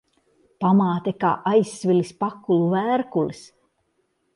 Pamāte kā aizsvilis pakulu vērkulis.